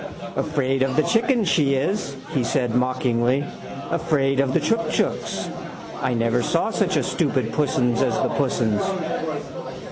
—Afraid of the chickens she is, he said mockingly. Afraid of the chookchooks. I never saw such a stupid pussens as the pussens.